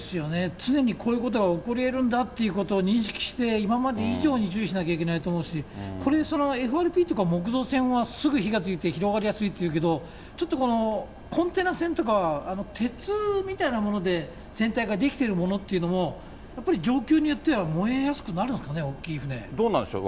常にこういうことが起こりえるんだということを認識して、今まで以上に重視しなきゃいけないと思いますし、これで、ＦＲＰとか木造船はすぐ火がついて広がりやすいっていうけど、ちょっとこの、コンテナ船とかは鉄みたいなもので船体が出来ているものっていうのも、やっぱり状況によっては燃えやすくなどうなんでしょう？